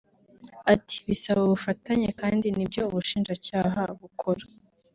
Ati “Bisaba ubufatanye kandi nibyo ubushinjacyaha bukora